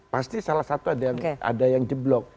pasti salah satu ada yang jeblok